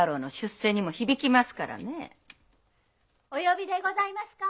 ・お呼びでございますか？